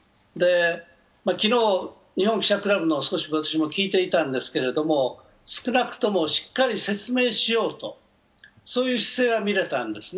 昨日、日本記者クラブのを私少し聞いていたんですが少なくともしっかり説明しようという姿勢は見れたんですね。